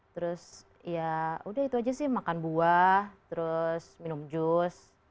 terus ya udah itu aja sih makan buah terus minum jus